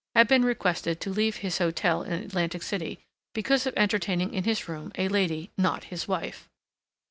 had been requested to leave his hotel in Atlantic City because of entertaining in his room a lady not his wife.